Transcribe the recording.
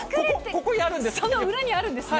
その裏にあるんですね。